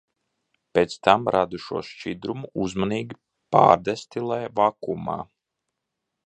Pēc tam radušos šķidrumu uzmanīgi pārdestilē vakuumā.